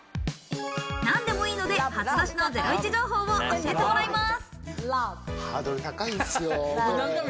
何でもいいので、初出しのゼロイチ情報を教えてもらいます。